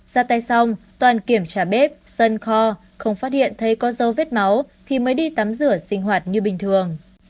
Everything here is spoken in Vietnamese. ra tay xong toàn kiểm tra bếp sân kho không phát hiện thấy có dấu vết máu thì mới đi tắm rửa sinh hoạt như bình thường